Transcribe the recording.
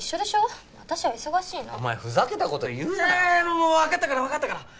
もうわかったからわかったから。